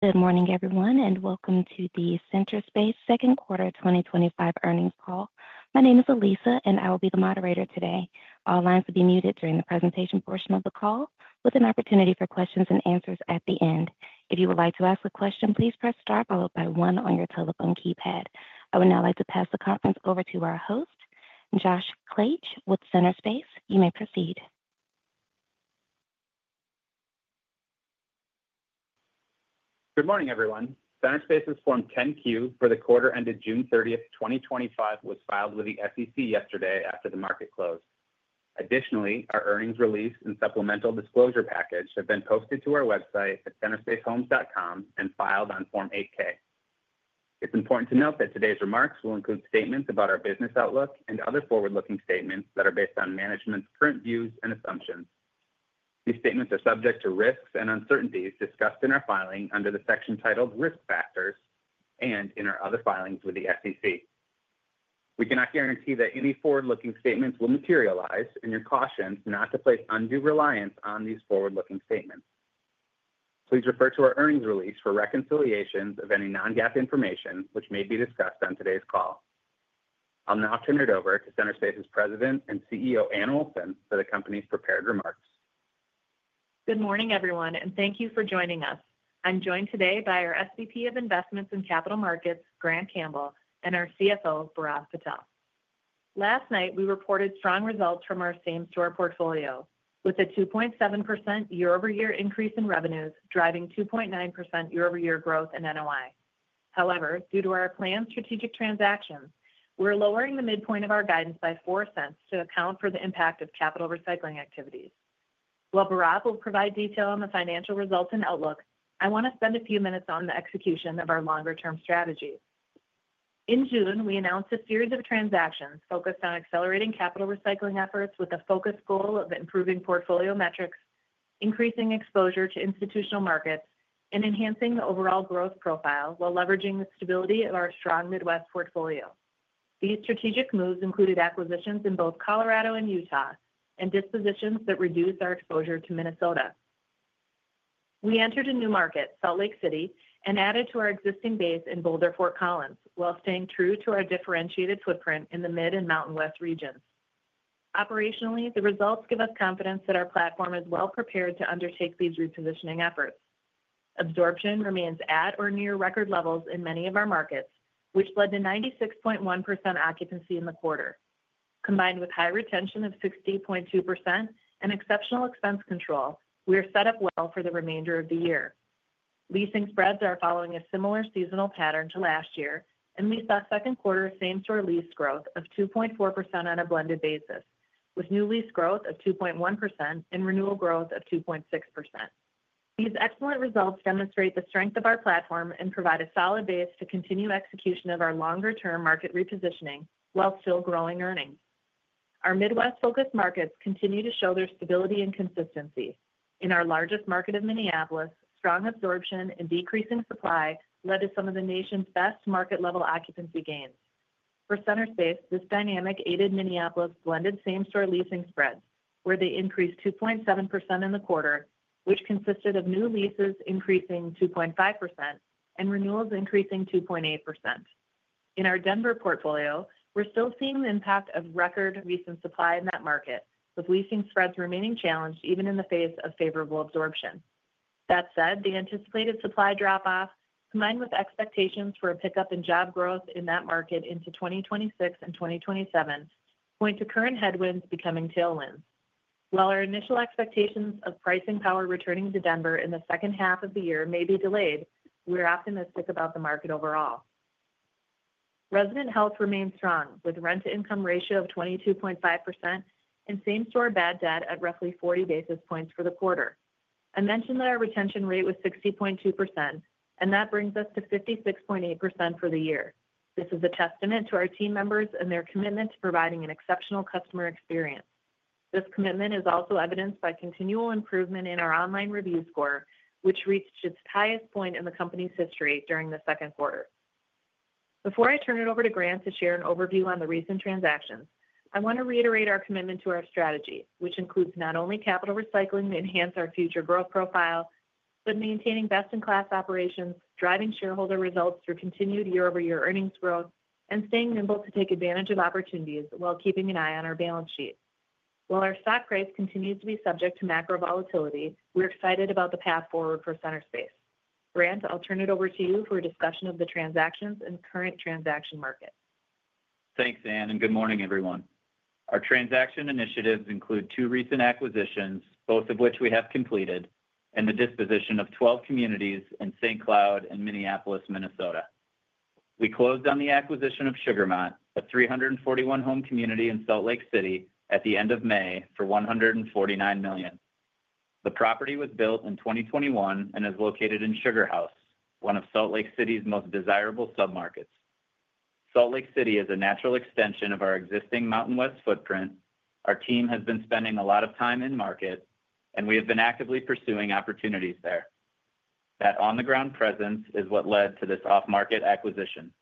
Good morning, everyone, and welcome to the Centerspace Second Quarter 2025 Earnings Call. My name is Alisa, and I will be the moderator today. All lines will be muted during the presentation portion of the call, with an opportunity for questions and answers at the end. If you would like to ask a question, please press star followed by one on your telephone keypad. I would now like to pass the conference over to our host, Josh Klaetsch with Centerspace. You may proceed. Good morning, everyone. Finance basis Form 10-Q for the quarter ended June 30th, 2025, was filed with the SEC yesterday after the market closed. Additionally, our earnings release and supplemental disclosure package have been posted to our website at centerspacehomes.com and filed on Form 8-K. It's important to note that today's remarks will include statements about our business outlook and other forward-looking statements that are based on management's current views and assumptions. These statements are subject to risks and uncertainties discussed in our filing under the section titled Risk Factors and in our other filings with the SEC. We cannot guarantee that any forward-looking statements will materialize, and we caution not to place undue reliance on these forward-looking statements. Please refer to our earnings release for reconciliations of any non-GAAP information which may be discussed on today's call. I'll now turn it over to Centerspace's President and CEO, Anne Olson, for the company's prepared remarks. Good morning, everyone, and thank you for joining us. I'm joined today by our SVP of Investments and Capital Markets, Grant Campbell, and our CFO, Bhairav Patel. Last night, we reported strong results from our same-store portfolio, with a 2.7% year-over-year increase in revenues, driving 2.9% year-over-year growth in NOI. However, due to our planned strategic transactions, we're lowering the midpoint of our guidance by $0.04 to account for the impact of capital recycling activities. While Bhairav will provide detail on the financial results and outlook, I want to spend a few minutes on the execution of our longer-term strategy. In June, we announced a series of transactions focused on accelerating capital recycling efforts with a focused goal of improving portfolio metrics, increasing exposure to institutional markets, and enhancing the overall growth profile while leveraging the stability of our strong Midwest portfolio. These strategic moves included acquisitions in both Colorado and Utah and dispositions that reduced our exposure to Minnesota. We entered a new market, Salt Lake City, and added to our existing base in Boulder/Fort Collins, while staying true to our differentiated footprint in the Mid and Mountain West regions. Operationally, the results give us confidence that our platform is well-prepared to undertake these repositioning efforts. Absorption remains at or near record levels in many of our markets, which led to 96.1% occupancy in the quarter. Combined with high retention of 60.2% and exceptional expense control, we are set up well for the remainder of the year. Leasing spreads are following a similar seasonal pattern to last year, and we saw second quarter same-store lease growth of 2.4% on a blended basis, with new lease growth of 2.1% and renewal growth of 2.6%. These excellent results demonstrate the strength of our platform and provide a solid base to continue execution of our longer-term market repositioning while still growing earnings. Our Midwest-focused markets continue to show their stability and consistency. In our largest market of Minneapolis, strong absorption and decreasing supply led to some of the nation's best market-level occupancy gains. For Centerspace, this dynamic aided Minneapolis' blended same-store leasing spreads, where they increased 2.7% in the quarter, which consisted of new leases increasing 2.5% and renewals increasing 2.8%. In our Denver portfolio, we're still seeing the impact of record recent supply in that market, with leasing spreads remaining challenged even in the face of favorable absorption. That said, the anticipated supply drop-off, combined with expectations for a pickup in job growth in that market into 2026 and 2027, point to current headwinds becoming tailwinds. While our initial expectations of pricing power returning to Denver in the second half of the year may be delayed, we're optimistic about the market overall. Resident health remains strong, with a rent-to-income ratio of 22.5% and same-store bad debt at roughly 40 basis points for the quarter. I mentioned that our retention rate was 60.2%, and that brings us to 56.8% for the year. This is a testament to our team members and their commitment to providing an exceptional customer experience. This commitment is also evidenced by continual improvement in our online review score, which reached its highest point in the company's history during the second quarter. Before I turn it over to Grant to share an overview on the recent transactions, I want to reiterate our commitment to our strategy, which includes not only capital recycling to enhance our future growth profile, but maintaining best-in-class operations, driving shareholder results through continued year-over-year earnings growth, and staying nimble to take advantage of opportunities while keeping an eye on our balance sheet. While our stock price continues to be subject to macro volatility, we're excited about the path forward for Centerspace. Grant, I'll turn it over to you for a discussion of the transactions and current transaction market. Thanks, Anne, and good morning, everyone. Our transaction initiatives include two recent acquisitions, both of which we have completed, and the disposition of 12 communities in St. Cloud and Minneapolis, Minnesota. We closed on the acquisition Sugarmont, a 341-home community in Salt Lake City, at the end of May for $149 million. The property was built in 2021 and is located in Sugar House, one of Salt Lake City's most desirable submarkets. Salt Lake City is a natural extension of our existing Mountain West footprint. Our team has been spending a lot of time in market, and we have been actively pursuing opportunities there. That on-the-ground presence is what led to this off-market acquisition.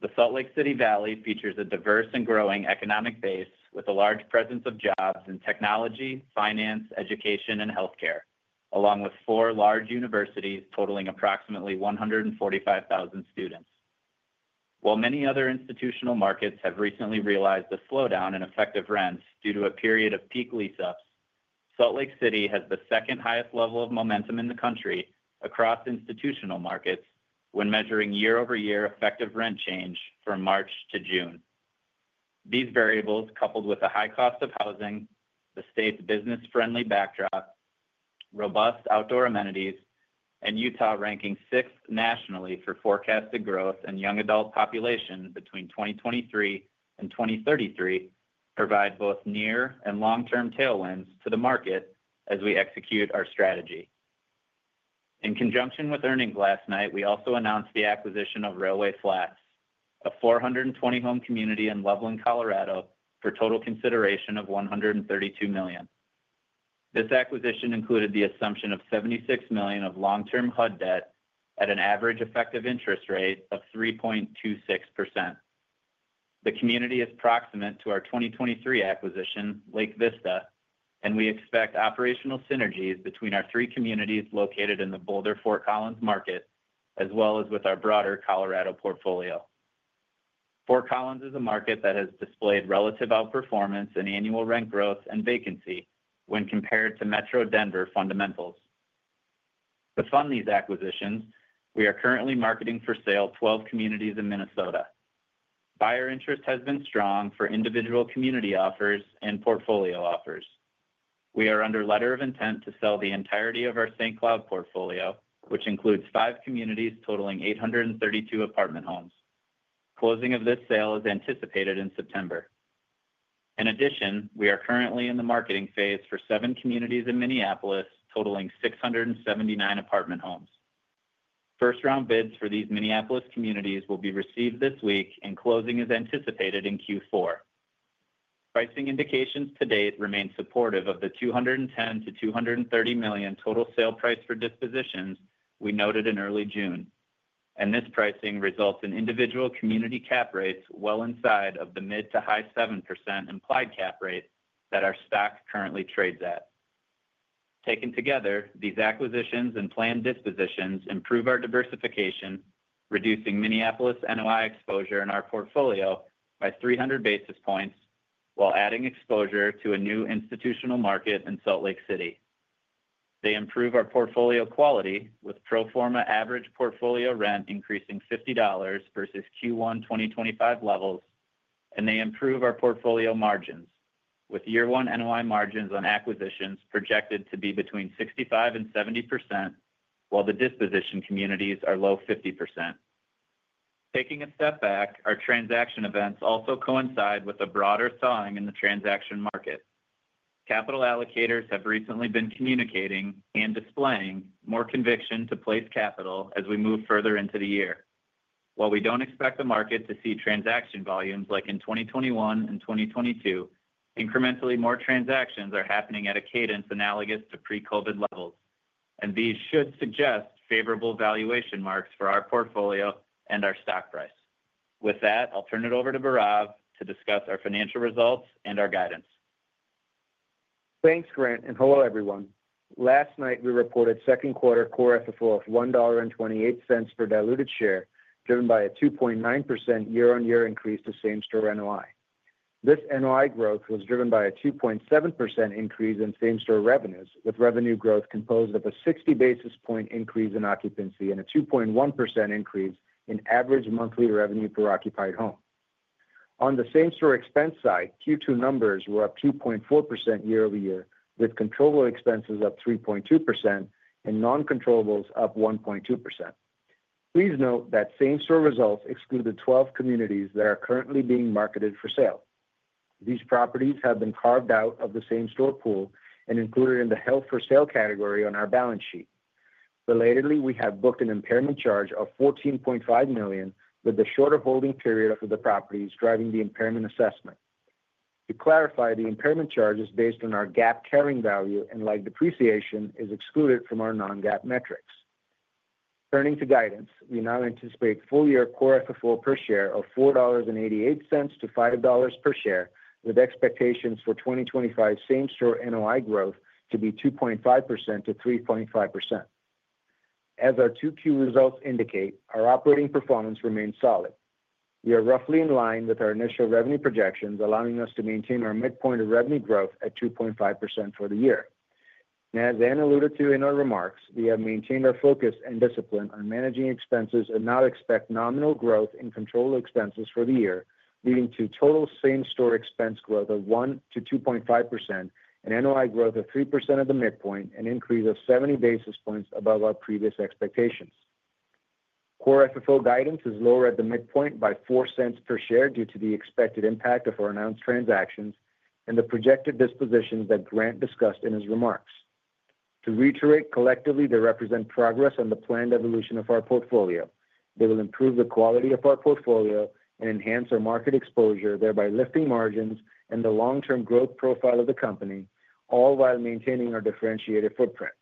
The Salt Lake City Valley features a diverse and growing economic base with a large presence of jobs in technology, finance, education, and health care, along with four large universities totaling approximately 145,000 students. While many other institutional markets have recently realized a slowdown in effective rents due to a period of peak leases, Salt Lake City has the second-highest level of momentum in the country across institutional markets when measuring year-over-year effective rent change from March to June. These variables, coupled with a high cost of housing, the state's business-friendly backdrop, robust outdoor amenities, and Utah ranking sixth nationally for forecasted growth in young adult population between 2023 and 2033, provide both near and long-term tailwinds to the market as we execute our strategy. In conjunction with earnings last night, we also announced the acquisition of Railway Flats, a 420-home community in Loveland, Colorado, for total consideration of $132 million. This acquisition included the assumption of $76 million of long-term HUD debt at an average effective interest rate of 3.26%. The community is proximate to our 2023 acquisition, Lake Vista, and we expect operational synergies between our three communities located in the Boulder/Fort Collins market, as well as with our broader Colorado portfolio. Fort Collins is a market that has displayed relative outperformance in annual rent growth and vacancy when compared to Metro Denver fundamentals. To fund these acquisitions, we are currently marketing for sale 12 communities in Minnesota. Buyer interest has been strong for individual community offers and portfolio offers. We are under letter of intent to sell the entirety of our St. Cloud portfolio, which includes five communities totaling 832 apartment homes. Closing of this sale is anticipated in September. In addition, we are currently in the marketing phase for seven communities in Minneapolis totaling 679 apartment homes. First-round bids for these Minneapolis communities will be received this week, and closing is anticipated in Q4. Pricing indications to date remain supportive of the $210 million-$230 million total sale price for dispositions we noted in early June, and this pricing results in individual community cap rates well inside of the mid to high 7% implied cap rate that our stock currently trades at. Taken together, these acquisitions and planned dispositions improve our diversification, reducing Minneapolis NOI exposure in our portfolio by 300 basis points, while adding exposure to a new institutional market in Salt Lake City. They improve our portfolio quality with pro forma average portfolio rent increasing $50 versus Q1 2025 levels, and they improve our portfolio margins with year-one NOI margins on acquisitions projected to be between 65% and 70%, while the disposition communities are low 50%. Taking a step back, our transaction events also coincide with a broader thawing in the transaction market. Capital allocators have recently been communicating and displaying more conviction to place capital as we move further into the year. While we don't expect the market to see transaction volumes like in 2021 and 2022, incrementally more transactions are happening at a cadence analogous to pre-COVID levels, and these should suggest favorable valuation marks for our portfolio and our stock price. With that, I'll turn it over to Bhairav to discuss our financial results and our guidance. Thanks, Grant, and hello, everyone. Last night, we reported second quarter Core FFO at $1.28 per diluted share, driven by a 2.9% year-on-year increase to same-store NOI. This NOI growth was driven by a 2.7% increase in same-store revenues, with revenue growth composed of a 60 basis point increase in occupancy and a 2.1% increase in average monthly revenue per occupied home. On the same-store expense side, Q2 numbers were up 2.4% year-over-year, with controllable expenses up 3.2% and non-controllables up 1.2%. Please note that same-store results excluded 12 communities that are currently being marketed for sale. These properties have been carved out of the same-store pool and included in the held for sale category on our balance sheet. Relatedly, we have booked an impairment charge of $14.5 million, with a shorter holding period for the properties driving the impairment assessment. To clarify, the impairment charge is based on our GAAP carrying value and, like depreciation, is excluded from our non-GAAP metrics. Turning to guidance, we now anticipate full-year core FFO per share of $4.88-$5 per share, with expectations for 2025 same-store NOI growth to be 2.5%3.5%. As our Q2 results indicate, our operating performance remains solid. We are roughly in line with our initial revenue projections, allowing us to maintain our midpoint of revenue growth at 2.5% for the year. As Anne alluded to in her remarks, we have maintained our focus and discipline on managing expenses and now expect nominal growth in controllable expenses for the year, leading to total same-store expense growth of 1%-2.5% and NOI growth of 3% at the midpoint, an increase of 70 basis points above our previous expectations. Core FFO guidance is lower at the midpoint by $0.04 per share due to the expected impact of our announced transactions and the projected dispositions that Grant discussed in his remarks. To reiterate, collectively, they represent progress in the planned evolution of our portfolio. They will improve the quality of our portfolio and enhance our market exposure, thereby lifting margins and the long-term growth profile of the company, all while maintaining our differentiated footprint.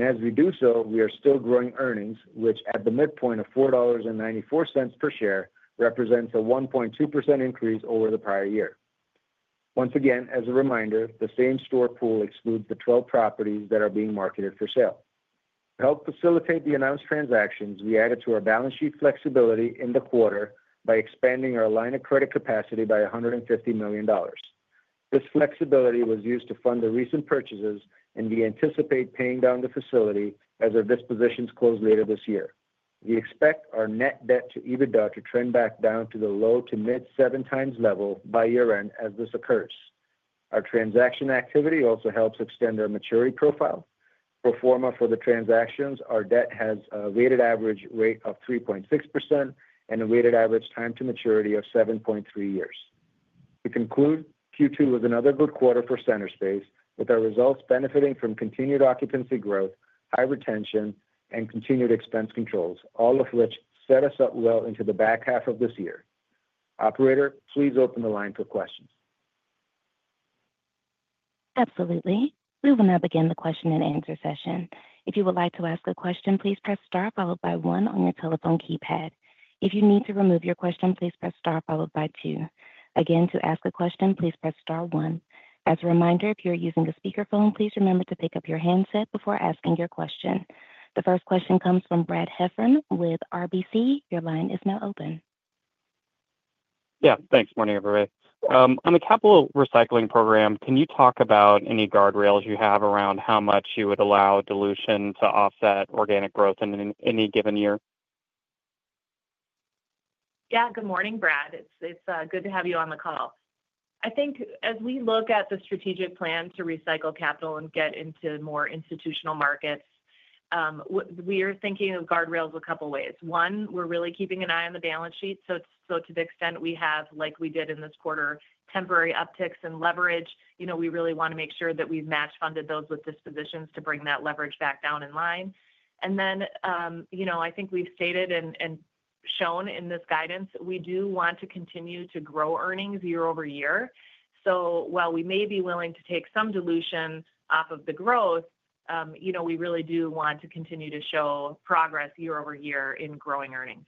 As we do so, we are still growing earnings, which at the midpoint of $4.94 per share represents a 1.2% increase over the prior year. Once again, as a reminder, the same-store pool excludes the 12 properties that are being marketed for sale. To help facilitate the announced transactions, we added to our balance sheet flexibility in the quarter by expanding our line of credit capacity by $150 million. This flexibility was used to fund the recent purchases, and we anticipate paying down the facility as our dispositions close later this year. We expect our net debt to EBITDA to trend back down to the low to mid-7 times level by year-end as this occurs. Our transaction activity also helps extend our maturity profile. For the transactions, our debt has a weighted average rate of 3.6% and a weighted average time to maturity of 7.3 years. To conclude, Q2 was another good quarter for Centerspace, with our results benefiting from continued occupancy growth, high retention, and continued expense controls, all of which set us up well into the back half of this year. Operator, please open the line for questions. Absolutely. We will now begin the question and answer session. If you would like to ask a question, please press star followed by one on your telephone keypad. If you need to remove your question, please press star followed by two. Again, to ask a question, please press star one. As a reminder, if you're using a speakerphone, please remember to pick up your handset before asking your question. The first question comes from Brad Heffern with RBC. Your line is now open. Yeah, thanks. Morning, everybody. On the capital recycling program, can you talk about any guardrails you have around how much you would allow dilution to offset organic growth in any given year? Yeah, good morning, Brad. It's good to have you on the call. I think as we look at the strategic plan to recycle capital and get into more institutional markets, we are thinking of guardrails a couple of ways. One, we're really keeping an eye on the balance sheet. To the extent we have, like we did in this quarter, temporary upticks in leverage, we really want to make sure that we've match-funded those with dispositions to bring that leverage back down in line. I think we've stated and shown in this guidance, we do want to continue to grow earnings year-over-year. While we may be willing to take some dilution off of the growth, we really do want to continue to show progress year-over-year in growing earnings.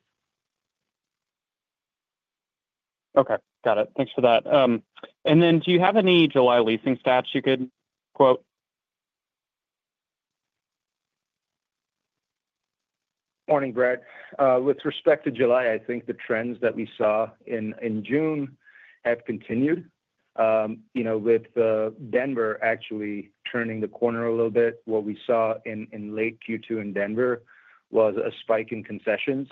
Okay, got it. Thanks for that. Do you have any July leasing stats you could quote? Morning, Brad. With respect to July, I think the trends that we saw in June have continued. You know, with Denver actually turning the corner a little bit, what we saw in late Q2 in Denver was a spike in concessions,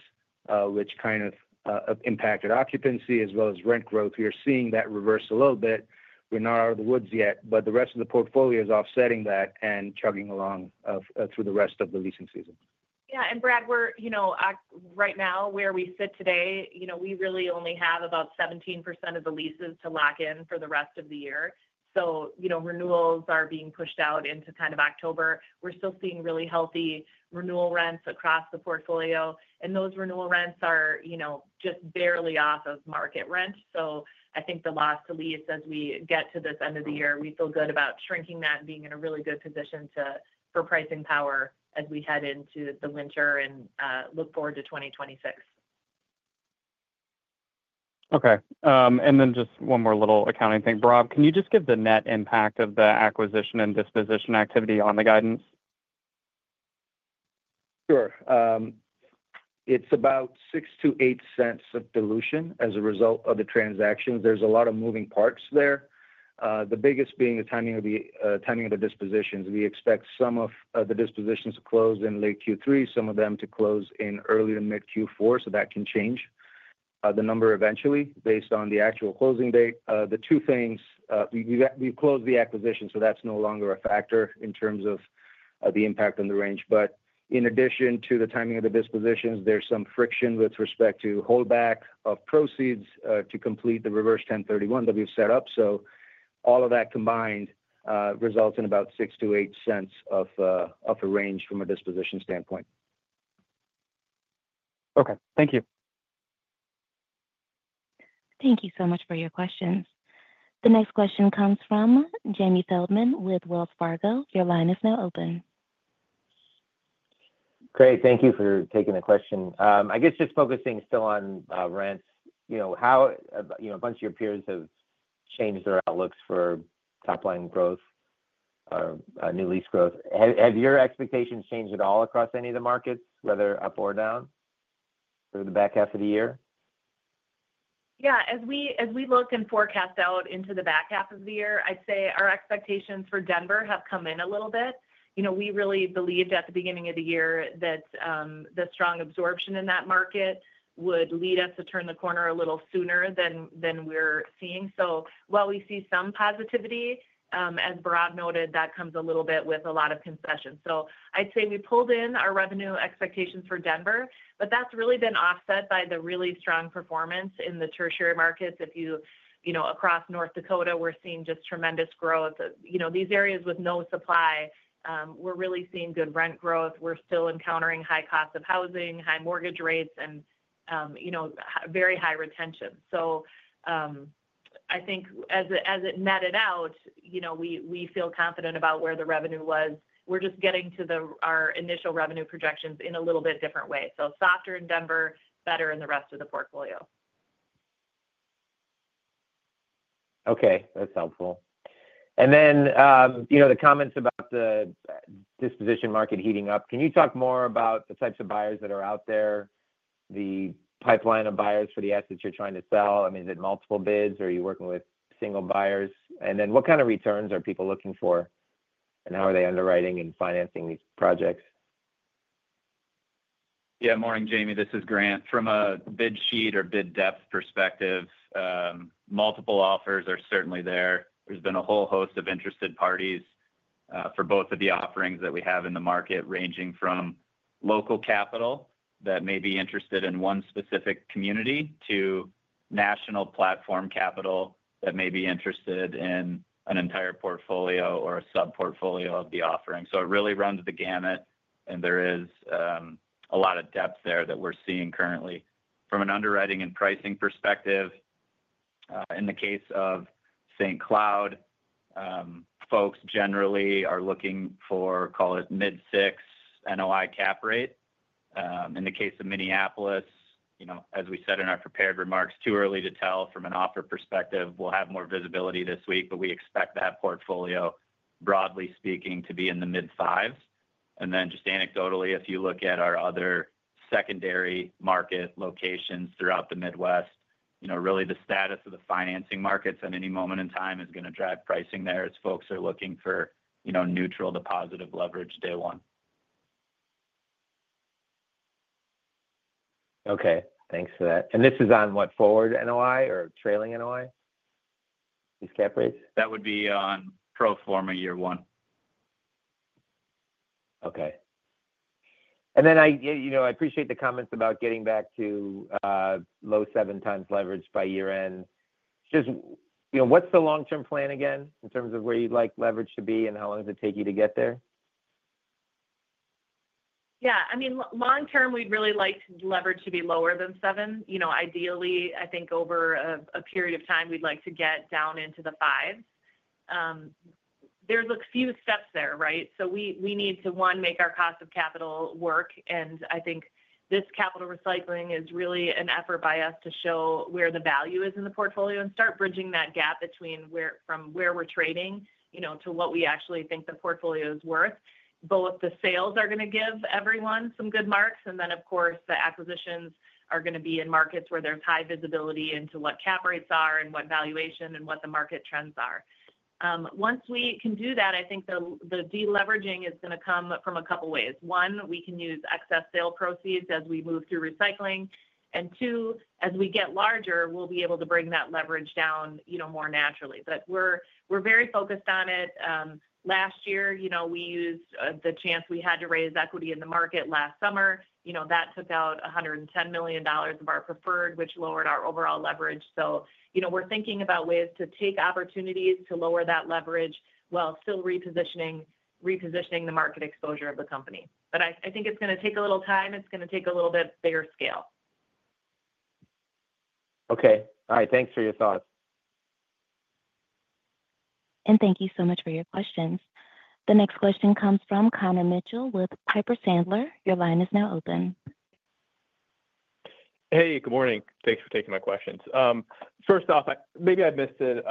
which kind of impacted occupancy as well as rent growth. We are seeing that reverse a little bit. We're not out of the woods yet, but the rest of the portfolio is offsetting that and chugging along through the rest of the leasing season. Yeah, Brad, right now where we sit today, we really only have about 17% of the leases to lock in for the rest of the year. Renewals are being pushed out into October. We're still seeing really healthy renewal rents across the portfolio, and those renewal rents are just barely off of market rent. I think the loss to lease as we get to this end of the year, we feel good about shrinking that and being in a really good position for pricing power as we head into the winter and look forward to 2026. Okay, just one more little accounting thing. Bhairav, can you just give the net impact of the acquisition and disposition activity on the guidance? Sure. It's about $0.06-$0.08 of dilution as a result of the transactions. There's a lot of moving parts there, the biggest being the timing of the dispositions. We expect some of the dispositions to close in late Q3, some of them to close in early to mid-Q4, so that can change the number eventually based on the actual closing date. We have closed the acquisition, so that's no longer a factor in terms of the impact on the range. In addition to the timing of the dispositions, there's some friction with respect to holdback of proceeds to complete the reverse 1031 that we've set up. All of that combined results in about $0.06-$0.08 of a range from a disposition standpoint. Okay, thank you. Thank you so much for your questions. The next question comes from Jamie Feldman with Wells Fargo. Your line is now open. Great, thank you for taking the question. I guess just focusing still on rent, you know, how a bunch of your peers have changed their outlooks for top line growth or new lease growth. Have your expectations changed at all across any of the markets, whether up or down through the back half of the year? Yeah, as we look and forecast out into the back half of the year, I'd say our expectations for Denver have come in a little bit. We really believed at the beginning of the year that the strong absorption in that market would lead us to turn the corner a little sooner than we're seeing. While we see some positivity, as Bhairav noted, that comes a little bit with a lot of concessions. I'd say we pulled in our revenue expectations for Denver, but that's really been offset by the really strong performance in the tertiary markets. Across North Dakota, we're seeing just tremendous growth. These areas with no supply, we're really seeing good rent growth. We're still encountering high costs of housing, high mortgage rates, and very high retention. I think as it netted out, we feel confident about where the revenue was. We're just getting to our initial revenue projections in a little bit different way. Softer in Denver, better in the rest of the portfolio. Okay, that's helpful. You know, the comments about the disposition market heating up, can you talk more about the types of buyers that are out there, the pipeline of buyers for the assets you're trying to sell? I mean, is it multiple bids, or are you working with single buyers? What kind of returns are people looking for, and how are they underwriting and financing these projects? Yeah, morning, Jamie. This is Grant. From a bid sheet or bid depth perspective, multiple offers are certainly there. There's been a whole host of interested parties for both of the offerings that we have in the market, ranging from local capital that may be interested in one specific community to national platform capital that may be interested in an entire portfolio or a sub-portfolio of the offering. It really runs the gamut, and there is a lot of depth there that we're seeing currently. From an underwriting and pricing perspective, in the case of St. Cloud, folks generally are looking for, call it, mid-6% NOI cap rate. In the case of Minneapolis, you know, as we said in our prepared remarks, too early to tell from an offer perspective. We'll have more visibility this week, but we expect that portfolio, broadly speaking, to be in the mid-5%. Anecdotally, if you look at our other secondary market locations throughout the Midwest, really the status of the financing markets at any moment in time is going to drive pricing there as folks are looking for, you know, neutral to positive leverage day one. Okay, thanks for that. Is this on what, forward NOI or trailing NOI, these cap rates? That would be on pro forma year one. Okay. I appreciate the comments about getting back to low seven times leverage by year end. Just, what's the long-term plan again in terms of where you'd like leverage to be and how long does it take you to get there? Yeah, I mean, long-term, we'd really like leverage to be lower than 7. You know, ideally, I think over a period of time, we'd like to get down into the 5. There's a few steps there, right? We need to, one, make our cost of capital work. I think this capital recycling is really an effort by us to show where the value is in the portfolio and start bridging that gap between where we're trading to what we actually think the portfolio is worth. Both the sales are going to give everyone some good marks, and then, of course, the acquisitions are going to be in markets where there's high visibility into what cap rates are and what valuation and what the market trends are. Once we can do that, I think the de-leveraging is going to come from a couple of ways. One, we can use excess sale proceeds as we move through recycling. Two, as we get larger, we'll be able to bring that leverage down more naturally. We're very focused on it. Last year, we used the chance we had to raise equity in the market last summer. That took out $110 million of our preferred, which lowered our overall leverage. We're thinking about ways to take opportunities to lower that leverage while still repositioning the market exposure of the company. I think it's going to take a little time. It's going to take a little bit bigger scale. Okay. All right. Thanks for your thought. Thank you so much for your questions. The next question comes from Connor Mitchell with Piper Sandler. Your line is now open. Hey, good morning. Thanks for taking my questions. First off, maybe I missed it,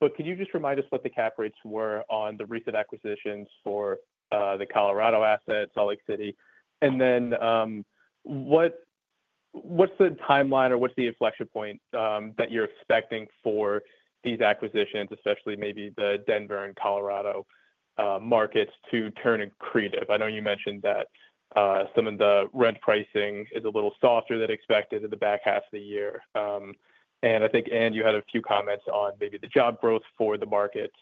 but can you just remind us what the cap rates were on the recent acquisitions for the Colorado assets, Salt Lake City? What's the timeline or what's the inflection point that you're expecting for these acquisitions, especially maybe the Denver and Colorado markets to turn and creep? I know you mentioned that some of the rent pricing is a little softer than expected in the back half of the year. I think, Anne, you had a few comments on maybe the job growth for the markets.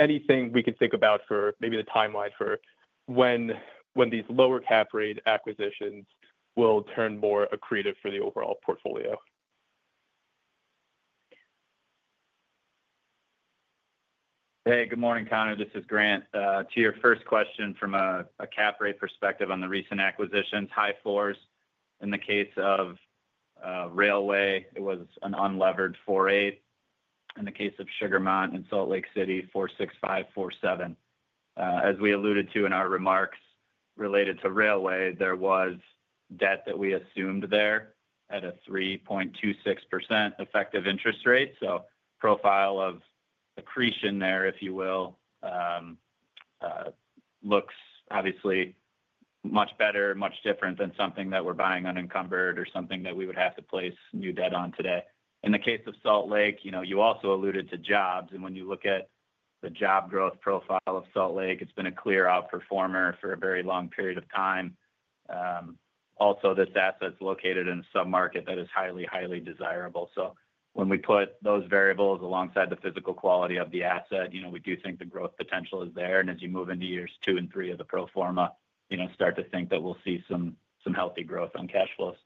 Anything we can think about for maybe the timeline for when these lower cap rate acquisitions will turn more accretive for the overall portfolio? Hey, good morning, Connor. This is Grant. To your first question from a cap rate perspective on the recent acquisitions, high floors. In the case of Railway, it was an unlevered 4.8. In the case of Sugarmont in Salt Lake City, 4.65, 4.7. As we alluded to in our remarks related to Railway, there was debt that we assumed there at a 3.26% effective interest rate. The profile of accretion there, if you will, looks obviously much better, much different than something that we're buying unencumbered or something that we would have to place new debt on today. In the case of Salt Lake, you also alluded to jobs. When you look at the job growth profile of Salt Lake, it's been a clear outperformer for a very long period of time. Also, this asset's located in a submarket that is highly, highly desirable. When we put those variables alongside the physical quality of the asset, we do think the growth potential is there. As you move into years two and three of the pro forma, you start to think that we'll see some healthy growth on cash flows.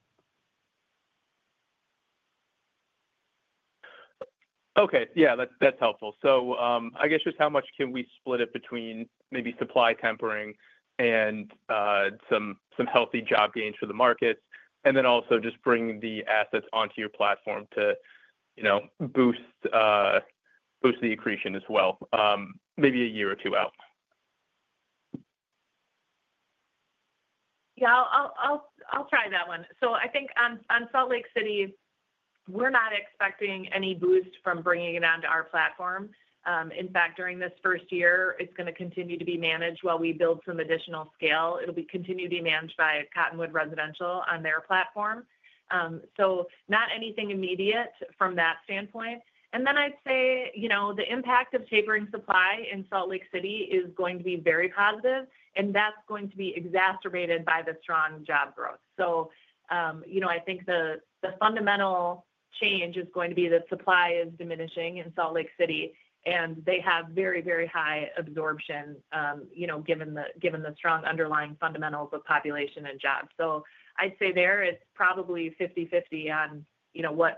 Okay, yeah, that's helpful. I guess just how much can we split it between maybe supply tempering and some healthy job gains for the market, and then also just bring the assets onto your platform to, you know, boost the accretion as well, maybe a year or two out? Yeah, I'll try that one. I think on Salt Lake City, we're not expecting any boost from bringing it onto our platform. In fact, during this first year, it's going to continue to be managed while we build some additional scale. It'll continue to be managed by Cottonwood Residential on their platform, not anything immediate from that standpoint. I'd say the impact of tapering supply in Salt Lake City is going to be very positive, and that's going to be exacerbated by the strong job growth. I think the fundamental change is going to be that supply is diminishing in Salt Lake City, and they have very, very high absorption, given the strong underlying fundamentals of population and jobs. I'd say there is probably 50/50 on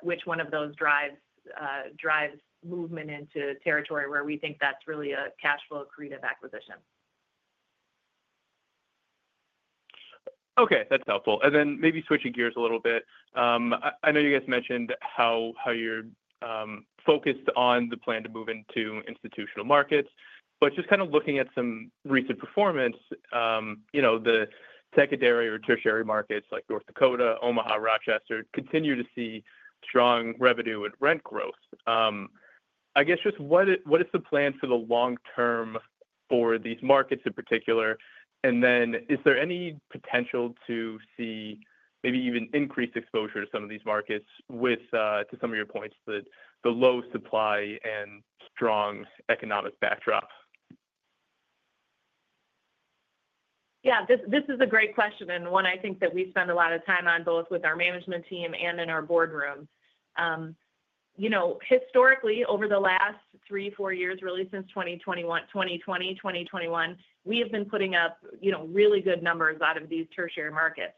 which one of those drives movement into territory where we think that's really a cash flow accretive acquisition. Okay, that's helpful. Maybe switching gears a little bit, I know you guys mentioned how you're focused on the plan to move into institutional markets, but just kind of looking at some recent performance, the secondary or tertiary markets like North Dakota, Omaha, Rochester continue to see strong revenue and rent growth. I guess just what is the plan for the long term for these markets in particular? Is there any potential to see maybe even increased exposure to some of these markets with, to some of your points, the low supply and strong economic backdrop? Yeah, this is a great question and one I think that we spend a lot of time on both with our management team and in our boardroom. You know, historically, over the last three, four years, really since 2020, 2021, we have been putting up really good numbers out of these tertiary markets,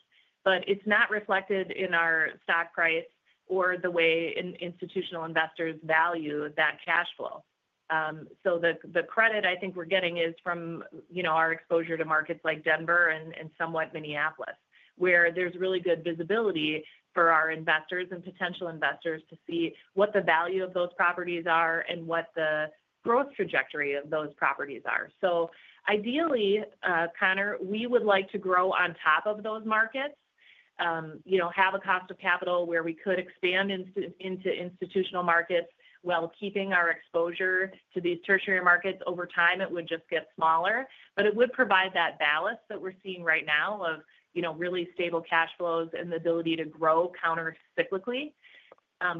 but it's not reflected in our stock price or the way institutional investors value that cash flow. The credit I think we're getting is from our exposure to markets like Denver and somewhat Minneapolis, where there's really good visibility for our investors and potential investors to see what the value of those properties are and what the growth trajectory of those properties are. Ideally, Connor, we would like to grow on top of those markets, have a cost of capital where we could expand into institutional markets while keeping our exposure to these tertiary markets over time. It would just get smaller, but it would provide that balance that we're seeing right now of really stable cash flows and the ability to grow countercyclically.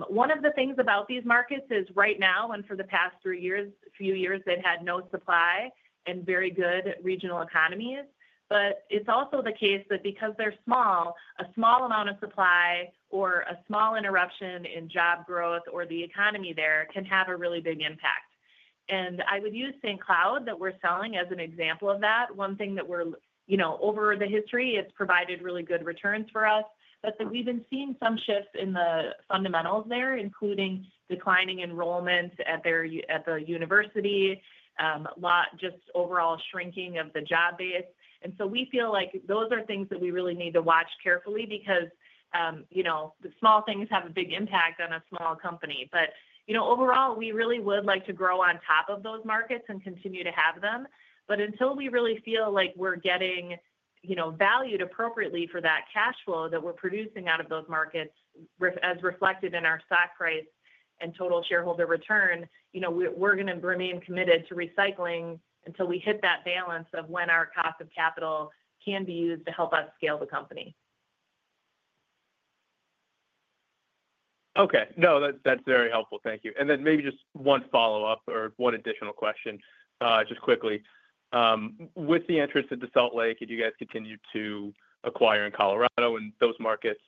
One of the things about these markets is right now and for the past three years, a few years they've had no supply and very good regional economies. It's also the case that because they're small, a small amount of supply or a small interruption in job growth or the economy there can have a really big impact. I would use St. Cloud that we're selling as an example of that. One thing that over the history, it's provided really good returns for us. Then we've been seeing some shifts in the fundamentals there, including declining enrollment at the university, just overall shrinking of the job base. We feel like those are things that we really need to watch carefully because the small things have a big impact on a small company. Overall, we really would like to grow on top of those markets and continue to have them. Until we really feel like we're getting valued appropriately for that cash flow that we're producing out of those markets, as reflected in our stock price and total shareholder return, we're going to remain committed to recycling until we hit that balance of when our cost of capital can be used to help us scale the company. Okay, no, that's very helpful. Thank you. Maybe just one follow-up or one additional question, just quickly. With the interest into Salt Lake, and you guys continue to acquire in Colorado and those markets,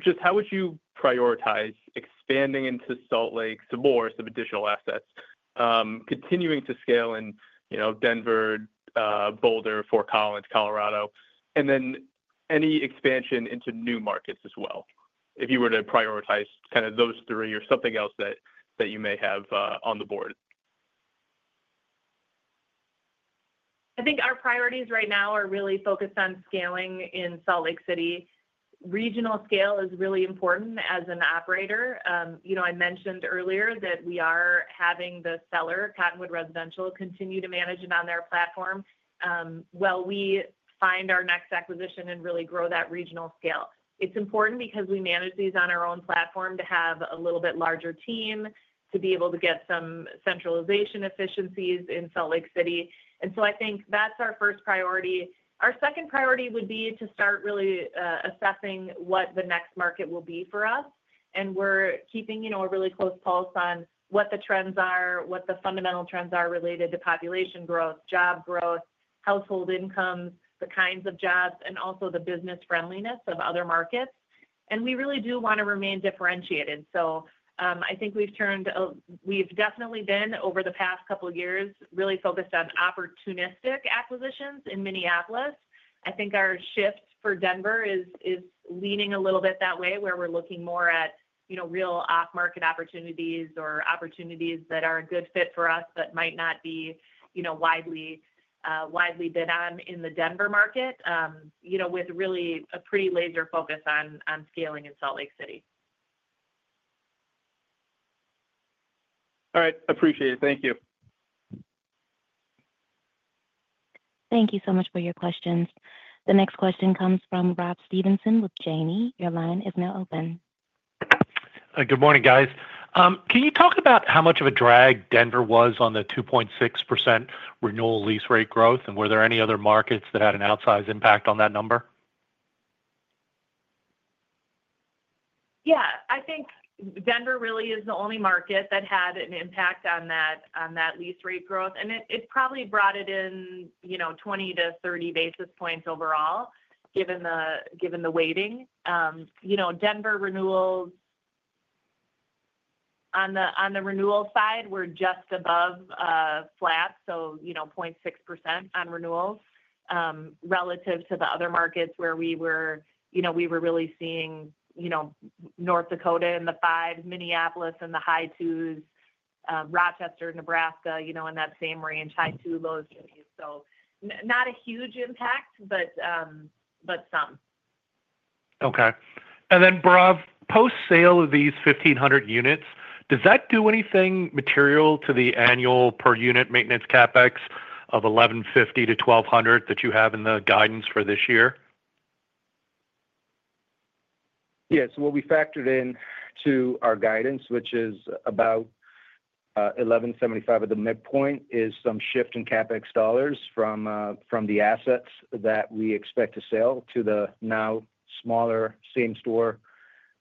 just how would you prioritize expanding into Salt Lake some more of some additional assets, continuing to scale in, you know, Denver, Boulder/Fort Collins, Colorado, and then any expansion into new markets as well, if you were to prioritize kind of those three or something else that you may have on the board? I think our priorities right now are really focused on scaling in Salt Lake City. Regional scale is really important as an operator. I mentioned earlier that we are having the seller, Cottonwood Residential, continue to manage it on their platform while we find our next acquisition and really grow that regional scale. It's important because we manage these on our own platform to have a little bit larger team, to be able to get some centralization efficiencies in Salt Lake City. I think that's our first priority. Our second priority would be to start really assessing what the next market will be for us. We're keeping a really close pulse on what the trends are, what the fundamental trends are related to population growth, job growth, household incomes, the kinds of jobs, and also the business friendliness of other markets. We really do want to remain differentiated. I think we've turned, we've definitely been over the past couple of years really focused on opportunistic acquisitions in Minneapolis. I think our shift for Denver is leaning a little bit that way, where we're looking more at real off-market opportunities or opportunities that are a good fit for us that might not be widely bid on in the Denver market, with really a pretty laser focus on scaling in Salt Lake City. All right, appreciate it. Thank you. Thank you so much for your questions. The next question comes from Rob Stevenson with Janney. Your line is now open. Good morning, guys. Can you talk about how much of a drag Denver was on the 2.6% renewal lease rate growth, and were there any other markets that had an outsized impact on that number? Yeah, I think Denver really is the only market that had an impact on that lease rate growth, and it's probably brought it in 20-30 basis points overall, given the weighting. Denver renewals on the renewal side were just above flat, so 0.6% on renewal relative to the other markets where we were really seeing North Dakota in the 5%, Minneapolis in the high 2%, Rochester, Nebraska in that same range, high 2%, low 3%. Not a huge impact, but some. Okay. Bhairav, post-sale of these 1,500 units, does that do anything material to the annual per unit maintenance CapEx of $1,150-$1,200 that you have in the guidance for this year? Yeah, so what we factored into our guidance, which is about $1,175 at the midpoint, is some shift in CapEx dollars from the assets that we expect to sell to the now smaller same-store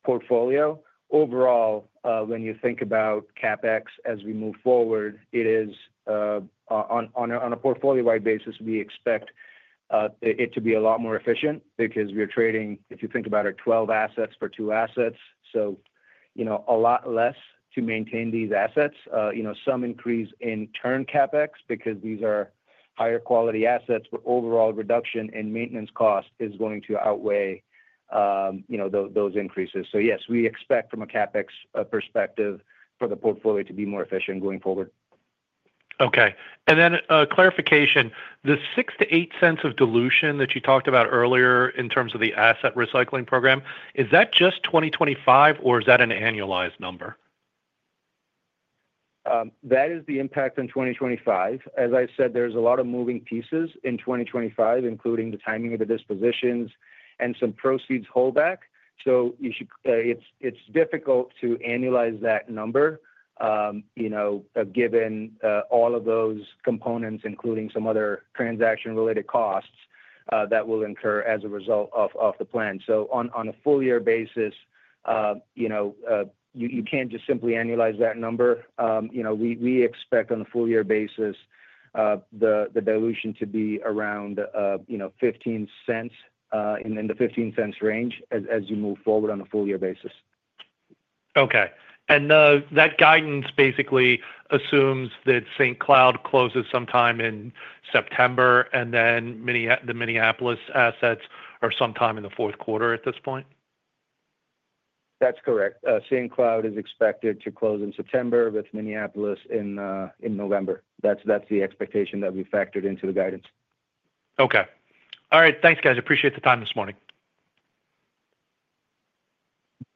portfolio. Overall, when you think about CapEx as we move forward, it is on a portfolio-wide basis. We expect it to be a lot more efficient because we're trading, if you think about it, 12 assets for two assets. A lot less to maintain these assets. Some increase in turn CapEx because these are higher quality assets, but overall reduction in maintenance cost is going to outweigh those increases. Yes, we expect from a CapEx perspective for the portfolio to be more efficient going forward. Okay. A clarification, the $0.06-$0.08 of dilution that you talked about earlier in terms of the asset recycling program, is that just 2025 or is that an annualized number? That is the impact on 2025. As I said, there's a lot of moving pieces in 2025, including the timing of the dispositions and some proceeds holdback. It's difficult to annualize that number, given all of those components, including some other transaction-related costs that will incur as a result of the plan. On a full-year basis, you can't just simply annualize that number. We expect on a full-year basis the dilution to be around $0.15 in the $0.15 range as you move forward on a full-year basis. Okay. That guidance basically assumes that St. Cloud closes sometime in September, and then the Minneapolis assets are sometime in the fourth quarter at this point? That's correct. St. Cloud is expected to close in September, with Minneapolis in November. That's the expectation that we factored into the guidance. Okay. All right. Thanks, guys. I appreciate the time this morning.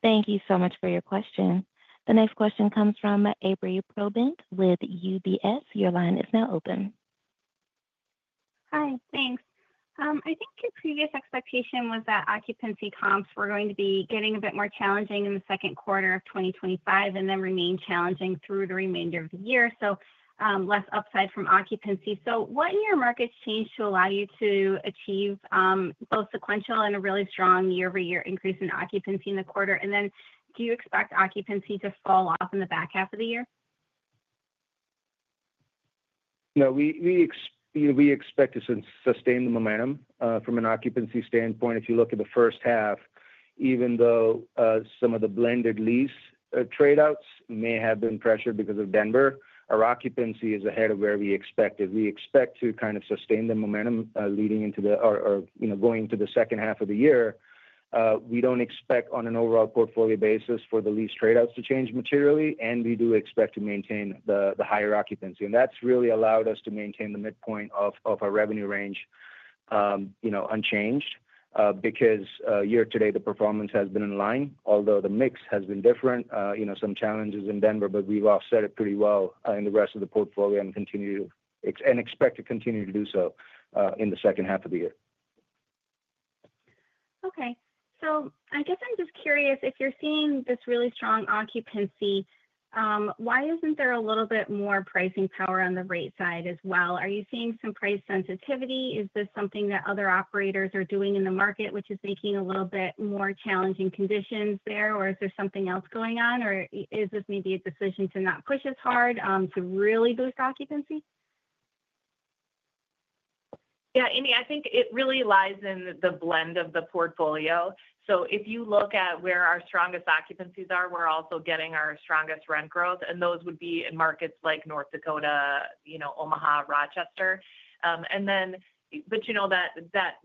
Thank you so much for your questions. The next question comes from Ami Probandt with UBS. Your line is now open. Hi, thanks. I think your previous expectation was that occupancy comps were going to be getting a bit more challenging in the second quarter of 2025 and then remain challenging through the remainder of the year, less upside from occupancy. What in your markets changed to allow you to achieve both sequential and a really strong year-over-year increase in occupancy in the quarter? Do you expect occupancy to fall off in the back half of the year? No, we expect to sustain the momentum from an occupancy standpoint. If you look at the first half, even though some of the blended lease tradeouts may have been pressured because of Denver, our occupancy is ahead of where we expected. We expect to sustain the momentum going into the second half of the year. We don't expect on an overall portfolio basis for the lease tradeouts to change materially, and we do expect to maintain the higher occupancy. That's really allowed us to maintain the midpoint of our revenue range unchanged because year to date, the performance has been in line, although the mix has been different. There have been some challenges in Denver, but we've offset it pretty well in the rest of the portfolio and expect to continue to do so in the second half of the year. Okay. I guess I'm just curious, if you're seeing this really strong occupancy, why isn't there a little bit more pricing power on the rate side as well? Are you seeing some price sensitivity? Is this something that other operators are doing in the market, which is making a little bit more challenging conditions there, or is there something else going on, or is this maybe a decision to not push as hard to really boost occupancy? Yeah, Ami, I think it really lies in the blend of the portfolio. If you look at where our strongest occupancies are, we're also getting our strongest rent growth, and those would be in markets like North Dakota, Omaha, and Rochester.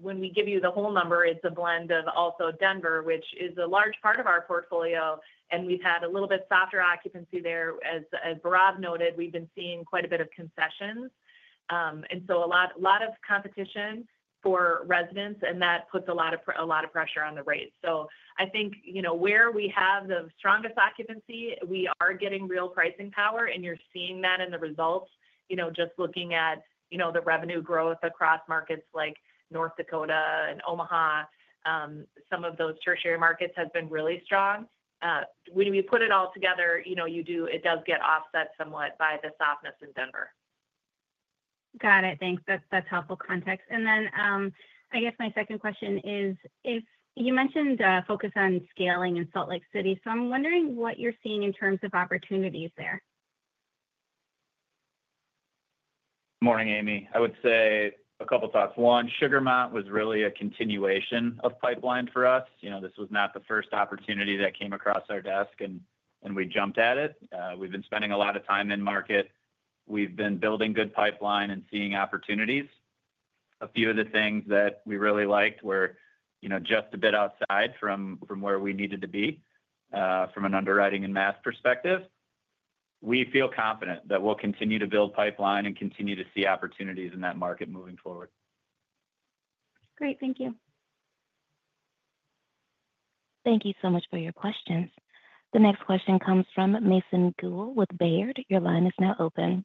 When we give you the whole number, it's a blend of also Denver, which is a large part of our portfolio, and we've had a little bit softer occupancy there. As Bhairav noted, we've been seeing quite a bit of concessions, and a lot of competition for residents, and that puts a lot of pressure on the rates. I think where we have the strongest occupancy, we are getting real pricing power, and you're seeing that in the results. Just looking at the revenue growth across markets like North Dakota and Omaha, some of those tertiary markets have been really strong. When we put it all together, it does get offset somewhat by the softness in Denver. Got it. Thanks. That's helpful context. I guess my second question is, if you mentioned focus on scaling in Salt Lake City, I'm wondering what you're seeing in terms of opportunities there. Morning, Ami. I would say a couple of thoughts. Sugarmont was really a continuation of pipeline for us. You know, this was not the first opportunity that came across our desk, and we jumped at it. We've been spending a lot of time in market. We've been building good pipeline and seeing opportunities. A few of the things that we really liked were, you know, just a bit outside from where we needed to be from an underwriting and math perspective. We feel confident that we'll continue to build pipeline and continue to see opportunities in that market moving forward. Great. Thank you. Thank you so much for your questions. The next question comes from Mason Guell with Baird. Your line is now open.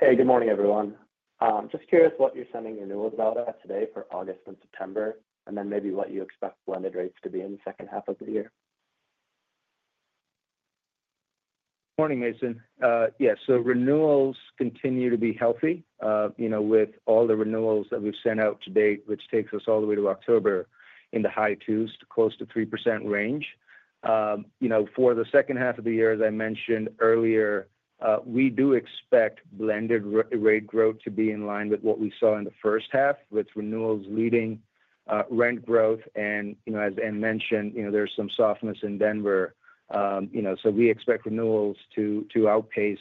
Hey, good morning, everyone. I'm just curious what you're sending renewals out at today for August and September, and then maybe what you expect blended rates to be in the second half of the year. Morning, Mason. Yeah, renewals continue to be healthy, with all the renewals that we've sent out to date, which takes us all the way to October in the high 2s, close to 3% range. For the second half of the year, as I mentioned earlier, we do expect blended rate growth to be in line with what we saw in the first half, with renewals leading rent growth. As Ben mentioned, there's some softness in Denver. We expect renewals to outpace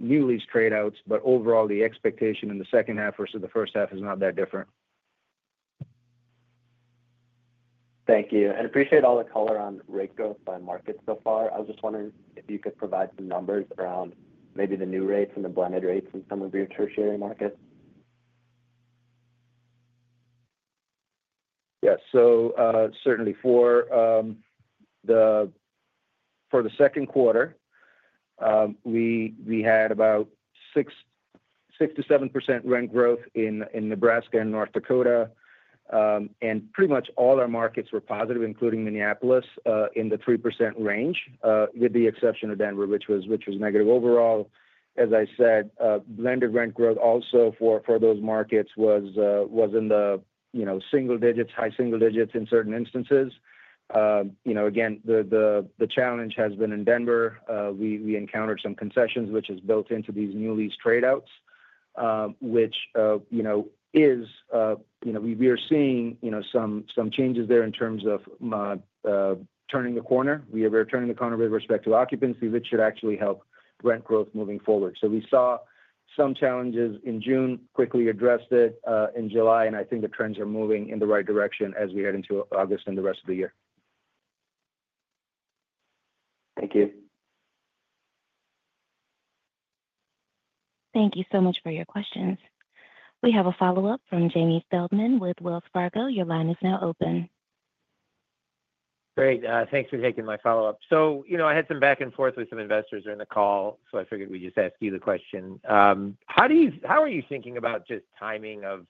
new lease tradeouts, but overall, the expectation in the second half versus the first half is not that different. Thank you. I appreciate all the color on rate growth by market so far. I was just wondering if you could provide some numbers around maybe the new rates and the blended rates in some of your tertiary markets. Yeah, so certainly for the second quarter, we had about 6%-7% rent growth in Nebraska and North Dakota, and pretty much all our markets were positive, including Minneapolis, in the 3% range, with the exception of Denver, which was negative overall. As I said, blended rent growth also for those markets was in the single digits, high single digits in certain instances. Again, the challenge has been in Denver. We encountered some concessions, which is built into these new lease tradeouts, which is, we are seeing some changes there in terms of turning the corner. We are turning the corner with respect to occupancy, which should actually help rent growth moving forward. We saw some challenges in June, quickly addressed it in July, and I think the trends are moving in the right direction as we head into August and the rest of the year. Thank you. Thank you so much for your questions. We have a follow-up from Jamie Feldman with Wells Fargo. Your line is now open. Great. Thanks for taking my follow-up. I had some back and forth with some investors during the call, so I figured I'd just ask you the question. How are you thinking about just timing of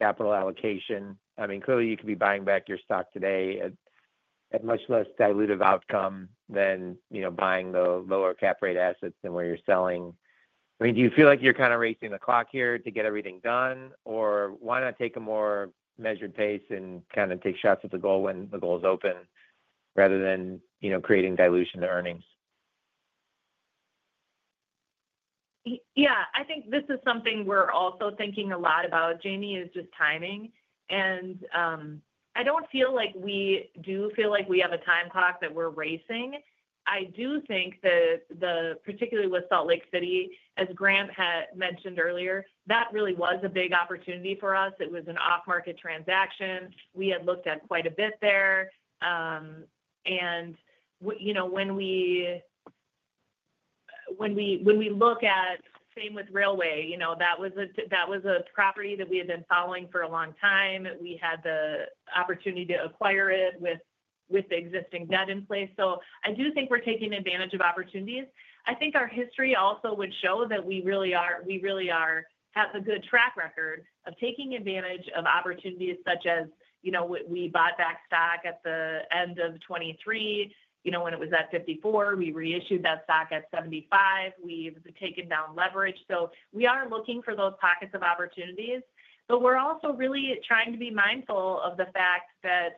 capital allocation? I mean, clearly, you could be buying back your stock today at a much less diluted outcome than buying the lower cap rate assets than where you're selling. Do you feel like you're kind of racing the clock here to get everything done, or why not take a more measured pace and kind of take shots at the goal when the goal is open rather than creating dilution to earnings? Yeah, I think this is something we're also thinking a lot about, Jamie, is just timing. I don't feel like we do feel like we have a time clock that we're racing. I do think that particularly with Salt Lake City, as Grant had mentioned earlier, that really was a big opportunity for us. It was an off-market transaction. We had looked at quite a bit there. When we look at, same with Railway, that was a property that we had been following for a long time. We had the opportunity to acquire it with the existing debt in place. I do think we're taking advantage of opportunities. I think our history also would show that we really are, we really are have a good track record of taking advantage of opportunities such as, you know, we bought back stock at the end of 2023. When it was at $54, we reissued that stock at $75. We've taken down leverage. We are looking for those pockets of opportunities, but we're also really trying to be mindful of the fact that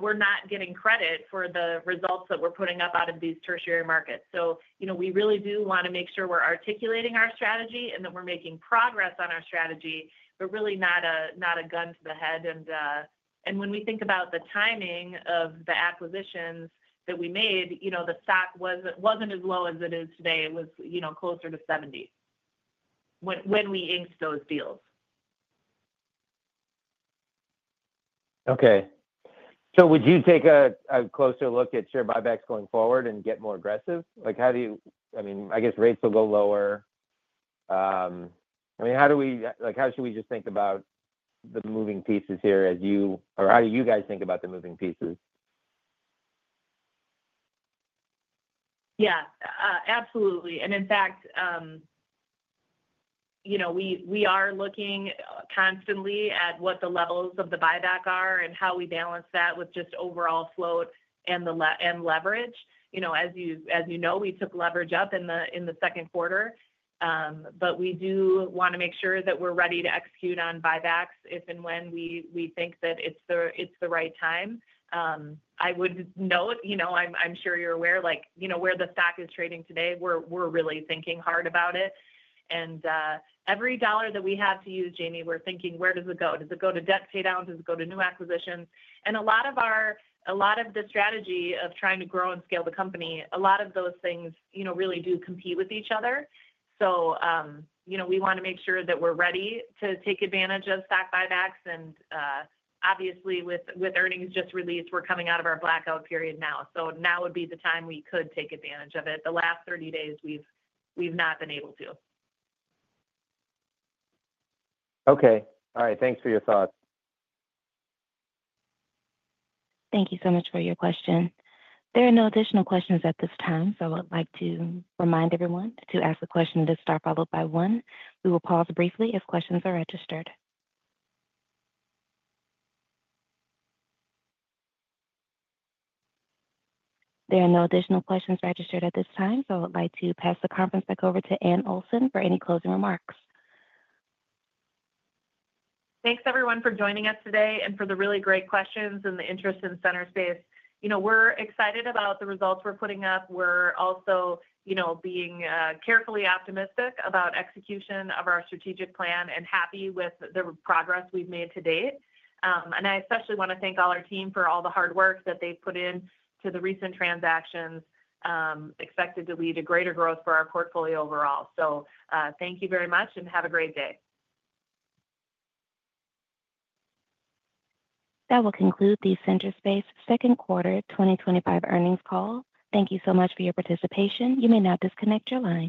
we're not getting credit for the results that we're putting up out of these tertiary markets. We really do want to make sure we're articulating our strategy and that we're making progress on our strategy. We're really not a gun to the head. When we think about the timing of the acquisitions that we made, the stock wasn't as low as it is today. It was closer to $70 when we inked those deals. Would you take a closer look at share buybacks going forward and get more aggressive? How do you, I mean, I guess rates will go lower. How should we just think about the moving pieces here as you, or how do you guys think about the moving pieces? Yeah, absolutely. In fact, we are looking constantly at what the levels of the buyback are and how we balance that with just overall float and leverage. As you know, we took leverage up in the second quarter, but we do want to make sure that we're ready to execute on buybacks if and when we think that it's the right time. I would note, I'm sure you're aware, where the stock is trading today, we're really thinking hard about it. Every dollar that we have to use, Jamie, we're thinking, where does it go? Does it go to debt paydown? Does it go to new acquisitions? A lot of the strategy of trying to grow and scale the company, a lot of those things really do compete with each other. We want to make sure that we're ready to take advantage of stock buybacks. Obviously, with earnings just released, we're coming out of our blackout period now. Now would be the time we could take advantage of it. The last 30 days, we've not been able to. Okay. All right. Thanks for your thoughts. Thank you so much for your question. There are no additional questions at this time. I would like to remind everyone to ask a question and to start follow-up by one. We will pause briefly if questions are registered. There are no additional questions registered at this time. I would like to pass the conference back over to Anne Olson for any closing remarks. Thanks, everyone, for joining us today and for the really great questions and the interest in Centerspace. We're excited about the results we're putting up. We're also being carefully optimistic about execution of our strategic plan and happy with the progress we've made to date. I especially want to thank all our team for all the hard work that they've put in to the recent transactions, expected to lead to greater growth for our portfolio overall. Thank you very much and have a great day. That will conclude the Centerspace Second Quarter 2025 Earnings Call. Thank you so much for your participation. You may now disconnect your line.